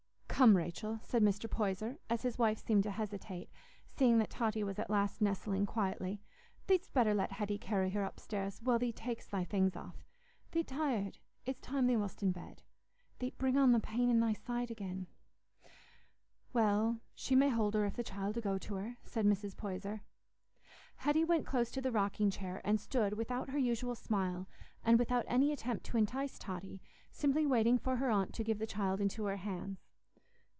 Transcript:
"Come, Rachel," said Mr. Poyser, as his wife seemed to hesitate, seeing that Totty was at last nestling quietly, "thee'dst better let Hetty carry her upstairs, while thee tak'st thy things off. Thee't tired. It's time thee wast in bed. Thee't bring on the pain in thy side again." "Well, she may hold her if the child 'ull go to her," said Mrs. Poyser. Hetty went close to the rocking chair, and stood without her usual smile, and without any attempt to entice Totty, simply waiting for her aunt to give the child into her hands.